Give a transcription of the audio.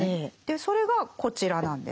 それがこちらなんです。